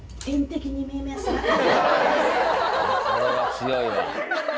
これは強いわ。